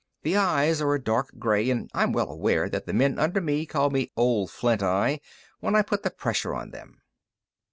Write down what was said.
The eyes are a dark gray, and I'm well aware that the men under me call me "Old Flint eye" when I put the pressure on them.